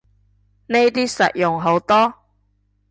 呢啲實用好多